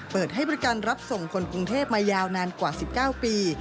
เปิดให้บริการรับส่งคนกรุงเทพมายาวนานกว่า๑๙ปี